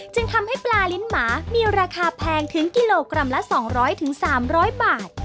จึงทำให้ปลาลิ้นหมามีราคาแพงถึงกิโลกรัมละ๒๐๐๓๐๐บาท